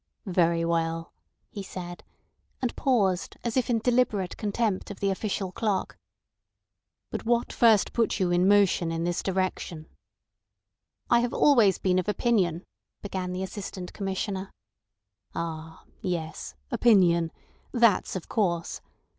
"Very well," he said, and paused, as if in deliberate contempt of the official clock. "But what first put you in motion in this direction?" "I have been always of opinion," began the Assistant Commissioner. "Ah. Yes! Opinion. That's of course.